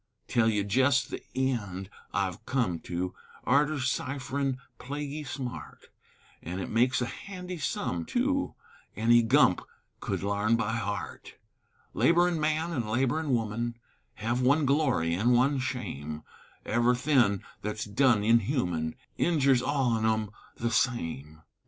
Tell ye jest the eend I've come to Arter cipherin' plaguy smart, An' it makes a handy sum, tu, Any gump could larn by heart; Laborin' man an' laborin' woman, Hev one glory an' one shame, Ev'y thin' thet's done inhuman Injers all on 'em the same.